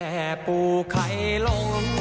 แปรปูไข่ลง